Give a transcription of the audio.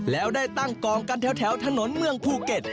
แล้วได้ตั้งกองกันแถวถนนเมืองภูเก็ต